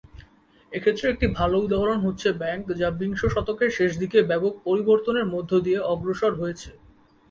এক্ষেত্রে একটি ভালো উদাহরণ হচ্ছে ব্যাংক, যা বিংশ শতকের শেষ দিকে ব্যাপক পরিবর্তনের মধ্য দিয়ে অগ্রসর হয়েছে।